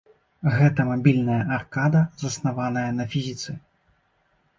Гэта мабільная аркада заснаваная на фізіцы.